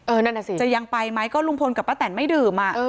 นั่นน่ะสิจะยังไปไหมก็ลุงพลกับป้าแตนไม่ดื่ม